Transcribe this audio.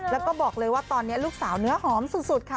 แล้วก็บอกเลยว่าตอนนี้ลูกสาวเนื้อหอมสุดค่ะ